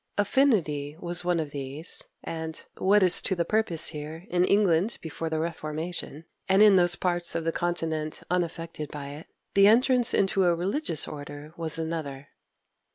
Affinity was one of these; and what is to the purpose here, in England before the Reformation, and in those parts of the continent unaffected by it the entrance into a religious order was another.